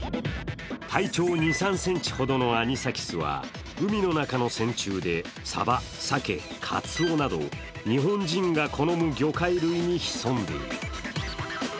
体長２３ｃｍほどのアニサキスは海の中の線虫でサバ、サケ、カツオなど日本人が好む魚介類に潜んでいる。